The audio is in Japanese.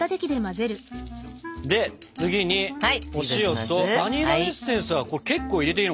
で次にお塩とバニラエッセンスは結構入れていいのかな？